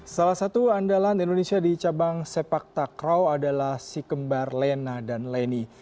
salah satu andalan indonesia di cabang sepak takraw adalah si kembar lena dan leni